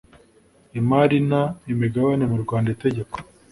imari n imigabane mu Rwanda itegeko